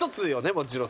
もちろん。